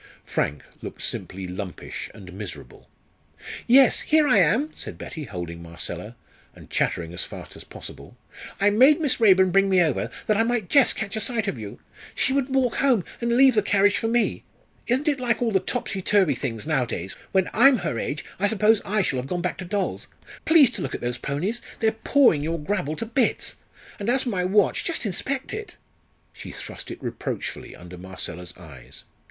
Frank looked simply lumpish and miserable. "Yes, here I am," said Betty, holding Marcella, and chattering as fast as possible. "I made Miss Raeburn bring me over, that I might just catch a sight of you. She would walk home, and leave the carriage for me. Isn't it like all the topsy turvy things nowadays? When I'm her age I suppose I shall have gone back to dolls. Please to look at those ponies! they're pawing your gravel to bits. And as for my watch, just inspect it!" She thrust it reproachfully under Marcella's eyes.